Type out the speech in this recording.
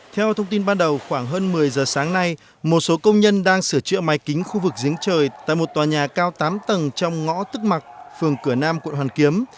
theo thông tin ban đầu khoảng hơn một mươi giờ sáng nay một số công nhân đang sửa chữa máy kính khu vực dính trời tại một tòa nhà cao tám tầng trong ngõ tức mặc phường cửa nam quận hoàn kiếm